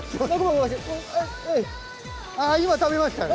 今食べましたね。